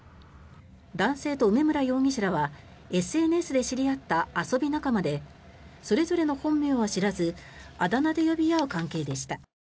男性と梅村容疑者らはＳＮＳで知り合った遊び仲間でそれぞれの本名は知らずあだ名で呼び合う関係でした。